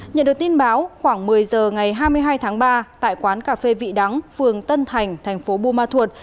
nhận được tin báo khoảng một mươi giờ ngày hai mươi hai tháng ba tại quán cà phê vị đắng phường tân thành tp bu ma thuột